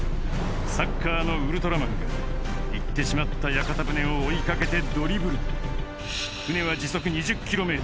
サッカーのウルトラマンが行ってしまった屋形船を追い掛けてドリブル船は時速２０ｋｍ